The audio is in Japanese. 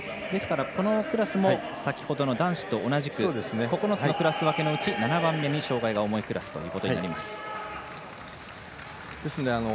このクラスも先ほどの男子と同じく９つのクラス分けのうち７番目に障がいが重いクラスとなります。